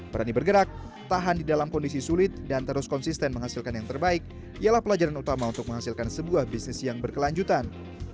berani bergerak tahan di dalam kondisi sulit dan terus konsisten menghasilkan yang terbaik ialah pelajaran utama untuk menghasilkan sebuah bisnis yang berkelanjutan